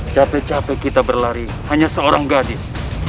capek capek kita berlari hanya seorang gadis